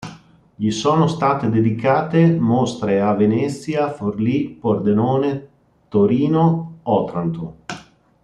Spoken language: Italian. Gli sono state dedicate mostre a Venezia, Forlì, Pordenone, Torino, Otranto.